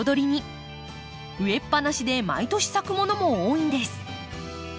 植えっぱなしで毎年咲くものも多いんです。